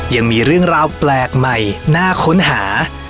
ยังมีเรื่องราวแปลกใหม่น่าค้นหา